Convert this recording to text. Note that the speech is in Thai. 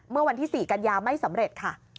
เมื่อวันที่๔กันยาไม่สำเร็จค่ะ